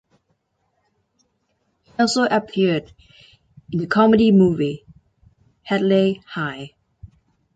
He also appeared in the comedy movie "Hatley High".